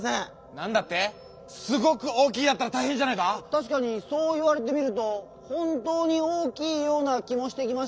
なんだって⁉「すごく大きい」だったらたいへんじゃないか⁉たしかにそういわれてみると「ほんとうに大きい」ような気もしてきました。